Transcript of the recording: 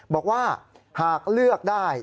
บอกว่าหากเลือกได้